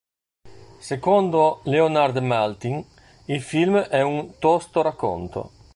Secondo Leonard Maltin il film è un "tosto racconto".